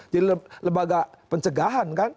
jadi lembaga pencegahan kan